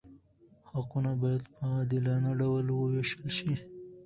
حقونه باید په عادلانه ډول وویشل شي.